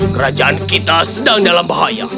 kerajaan kita sedang dalam bahaya